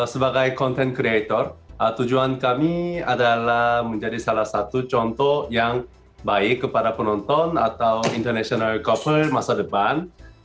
sebagai content creator tujuan kami adalah menjadi salah satu contoh yang baik kepada penonton atau international air copper masa depan